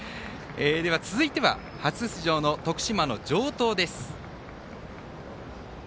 続いては初出場、徳島の城東です。